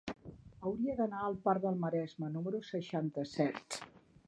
Hauria d'anar al parc del Maresme número seixanta-set.